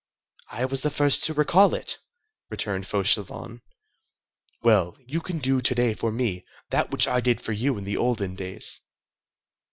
"I was the first to recall it," returned Fauchelevent. "Well, you can do to day for me that which I did for you in the olden days."